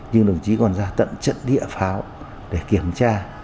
nhưng đồng chí còn ra tận trận địa pháo để kiểm tra